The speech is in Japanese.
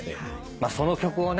その曲をね